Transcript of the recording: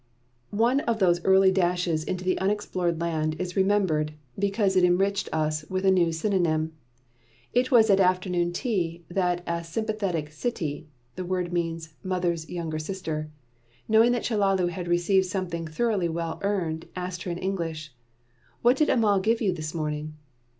One only of those early dashes into the unexplored land is remembered, because it enriched us with a new synonym. It was at afternoon tea that a sympathetic Sittie (the word means "Mother's younger sister"), knowing that Chellalu had received something thoroughly well earned, asked her in English: "What did Ammal give you this morning?"